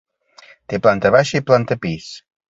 Té planta baixa i planta pis.